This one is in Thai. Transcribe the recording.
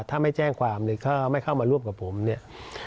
ถ้าไม่แจ้งความเนี่ยถ้าไม่เข้ามาร่วมกับผมเนี่ย